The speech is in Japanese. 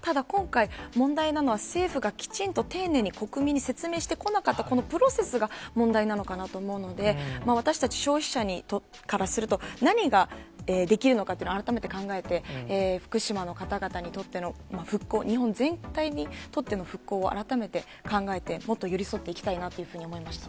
ただ今回、問題なのは政府がきちんと丁寧に国民に説明してこなかった、このプロセスが問題なのかなと思うので、私たち消費者からすると、何ができるのかというのは、改めて考えて、福島の方々にとっての復興、日本全体にとっての復興を改めて考えて、もっと寄り添っていきたいなというふうに思いました。